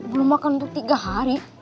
belum makan untuk tiga hari